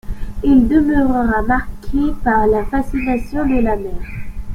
Il demeurera marqué par la fascination de la mer.